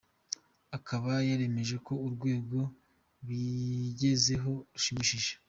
Akaba yaremeje ko urwego bigezeho rushimishije.